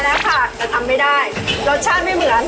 แต่ทำไม่ได้รสชาติไม่เหมือน